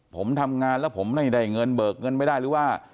ผมทำงานแล้วผมไม่ได้เงินเบิกเงินไม่ได้หรือว่า